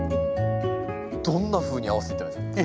どんなふうに合わせていったらいいですか？